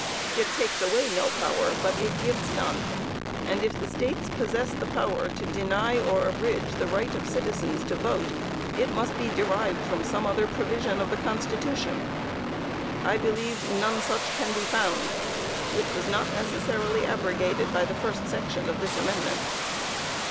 It takes away no power, but it gives none, and if the States possess the power to deny or abridge the right of citizens to vote, it must be derived from some other provision of the constitution. I believe none such can be found, which was not necessarily abrogated by the first section of this amendment.